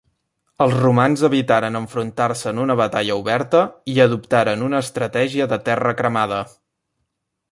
Els romans evitaren enfrontar-se en una batalla oberta i, adoptaren una estratègia de terra cremada.